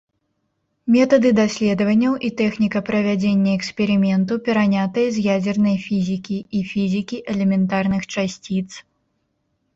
Метады даследаванняў і тэхніка правядзення эксперыменту перанятыя з ядзернай фізікі і фізікі элементарных часціц.